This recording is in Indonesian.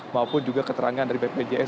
maupun juga keterangan dari bpjs